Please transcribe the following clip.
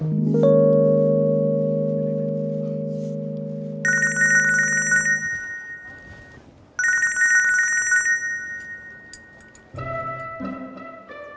tidak ada apa apa